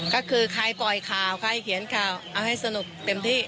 ก็คือใครปล่อยข่าวใครเขียนข่าวเอาให้สนุกเต็มที่